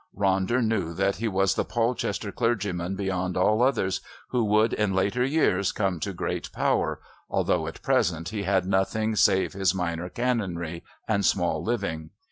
Ronder knew that he was the Polchester clergyman beyond all others who would in later years come to great power, although at present he had nothing save his Minor Canonry and small living.